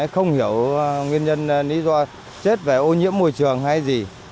không hiểu nguyên nhân lý do chết về ô nhiễm môi trường hay gì